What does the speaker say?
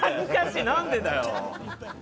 何でだよ！